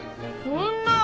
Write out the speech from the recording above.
そんなー！